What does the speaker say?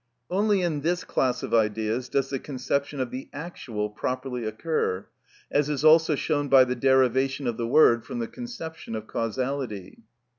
Only in this class of ideas does the conception of the actual properly occur, as is also shown by the derivation of the word from the conception of causality.